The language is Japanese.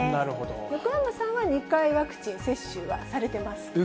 横山さんは２回、ワクチン接種はされてますか？